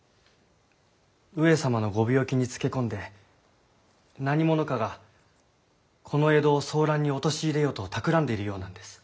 上様のご病気につけ込んで何者かがこの江戸を争乱に陥れようとたくらんでいるようなんです。